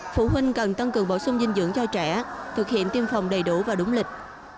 phụ huynh cần tăng cường bổ sung dinh dưỡng cho trẻ thực hiện tiêm phòng đầy đủ và đúng lịch